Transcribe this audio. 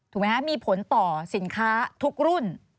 ถูกไหมฮะมีผลต่อสินค้าทุกรุ่น